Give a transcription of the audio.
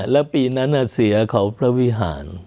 แล้วปีนั้นเสียของพระวิหาร